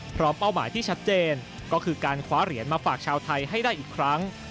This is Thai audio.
เป้าหมายที่ชัดเจนก็คือการคว้าเหรียญมาฝากชาวไทยให้ได้อีกครั้ง